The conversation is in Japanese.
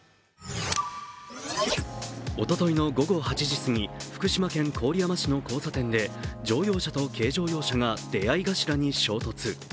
おとといの午後８時過ぎ福島県郡山市の交差点で乗用車と軽乗用車が出会い頭に衝突。